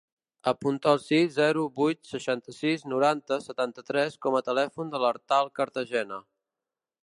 Apunta el sis, zero, vuit, seixanta-sis, noranta, setanta-tres com a telèfon de l'Artal Cartagena.